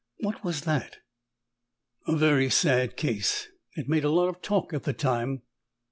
"'What was that?' A very sad case; it made a lot of talk at the time.